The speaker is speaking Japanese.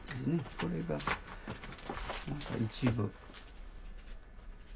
これが一部。